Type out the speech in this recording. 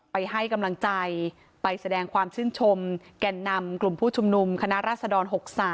ไปให้กำลังใจไปแสดงความชื่นชมแก่นนำกลุ่มผู้ชุมนุมคณะราษฎร๖๓